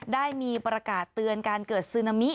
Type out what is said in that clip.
ได้มีประกาศเตือนการเกิดซึนามิ